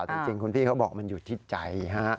แต่จริงคุณพี่เขาบอกมันอยู่ที่ใจฮะ